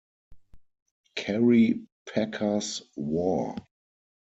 Kerry Packer's War.